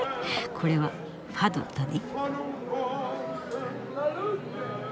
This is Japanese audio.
これはファドだね。